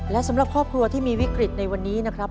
และสำหรับครอบครัวที่มีวิกฤตในวันนี้นะครับ